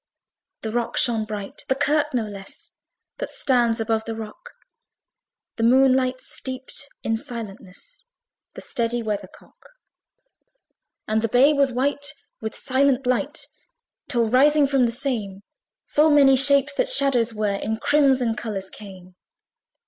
The rock shone bright, the kirk no less, That stands above the rock: The moonlight steeped in silentness The steady weathercock. And the bay was white with silent light, Till rising from the same, Full many shapes, that shadows were, In crimson colours came.